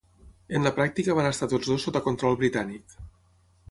En la pràctica van estar tots dos sota control britànic.